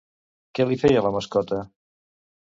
Què li feia la mascota?